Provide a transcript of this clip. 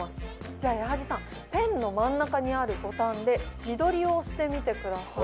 じゃあ矢作さんペンの真ん中にあるボタンで自撮りをしてみてください。